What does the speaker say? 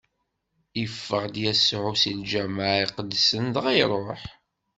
Iffeɣ-d Yasuɛ si lǧameɛ iqedsen dɣa iṛuḥ.